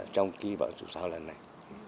trong khi bảo dụng